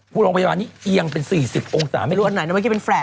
พวกโรงพยาบานนี้เอียงเป็น๔๐องศา